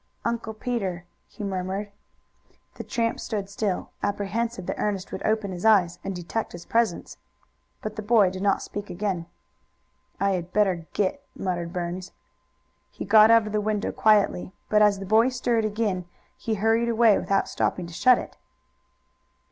"Uncle Peter," he murmured. The tramp stood still, apprehensive that Ernest would open his eyes and detect his presence. But the boy did not speak again. "I had better get," muttered Burns. He got out of the window quietly, but as the boy stirred again he hurried away without stopping to shut it.